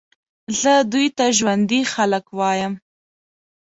زه دوی ته ژوندي خلک وایم.